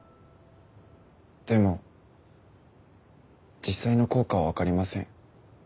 でも実際の効果はわかりません。